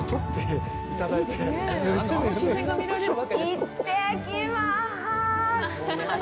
行ってきまーす！